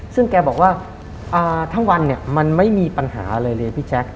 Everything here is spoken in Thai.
ซึ่งแกบอกว่าทั้งวันเนี่ยมันไม่มีปัญหาอะไรเลยพี่แจ๊ค